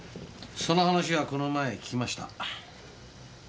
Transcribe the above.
その話はこの前聞きました。